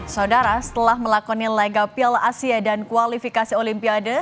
saudara setelah melakoni laga piala asia dan kualifikasi olimpiade